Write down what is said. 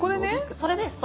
それです